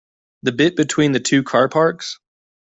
The bit between the two car parks?